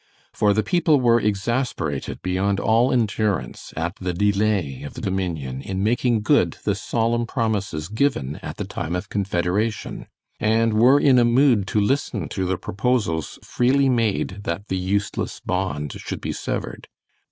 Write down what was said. For the people were exasperated beyond all endurance at the delay of the Dominion in making good the solemn promises given at the time of Confederation, and were in a mood to listen to the proposals freely made that the useless bond should be severed.